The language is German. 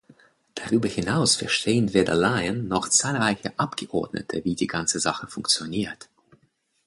Darüber hinaus verstehen weder Laien noch zahlreiche Abgeordnete, wie die ganze Sache funktioniert.